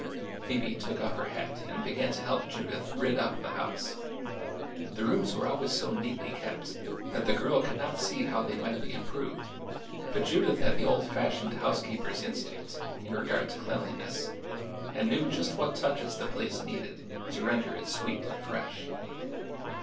Phoebe took off her hat and began to help Judith "rid up" the house. The rooms were always so neatly kept that the girl could not see now they might be improved, but Judith had the old fashioned housekeeper's instinct in regard to cleanliness and knew just what touches the place needed to render it sweet and fresh.